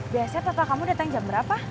biasanya total kamu datang jam berapa